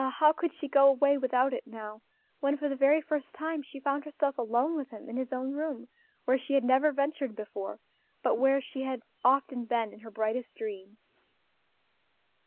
how could she go away without it now, when for the very first time she found herself alone with him in his own room, where she had never ventured before, but where she had often been in her brightest dreams.